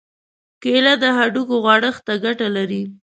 کېله د هډوکو غوړښت ته ګټه لري.